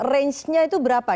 range nya itu berapa